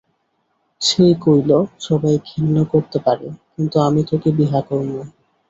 সেই কইল, সবাই ঘিন্ন করতে পারে, কিন্তু আমি তোকে বিহা করমু।